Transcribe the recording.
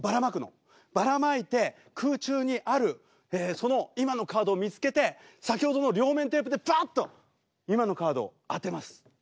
ばらまいて空中にあるその今のカードを見つけて先ほどの両面テープでバッと今のカードを当てます。